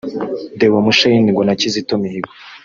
Deo Mushayidi ngo na Kizito Mihigo